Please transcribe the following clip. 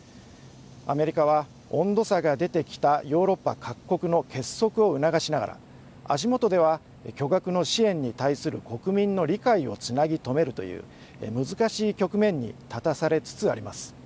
アメリカは、温度差が出てきたヨーロッパ各国の結束を促しながら足元では巨額の支援に対する国民の理解をつなぎ止めるという難しい局面に立たされつつあります。